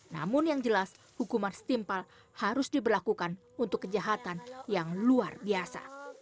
namun yang jelas hukuman setimpal harus diberlakukan untuk kejahatan yang luar biasa